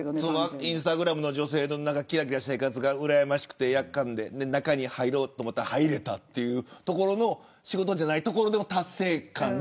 インスタグラムの女性のきらきらした生活がうらやましくて中に入ろうと思ったら入れたという仕事じゃないところでの達成感。